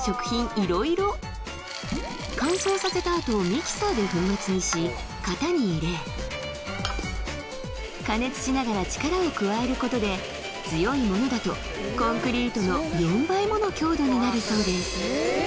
いろいろ乾燥させたあとミキサーで粉末にし型に入れ加熱しながら力を加えることで強いものだとコンクリートの４倍もの強度になるそうですえ